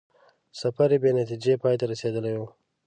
سفر یې بې نتیجې پای ته رسېدلی وو.